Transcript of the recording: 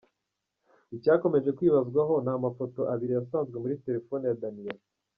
Icyakomeje kwibazwaho ni amafoto abiri yasanzwe muri telefoni ya Daniella.